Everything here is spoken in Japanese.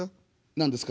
何ですか？